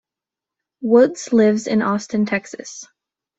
Woods lives in Austin, Texas.